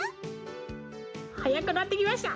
はやくなってきました！